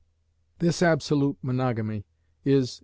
This absolute monogamy is, in M.